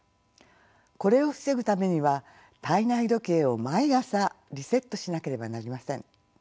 これを防ぐためには体内時計を毎朝リセットしなければなりません。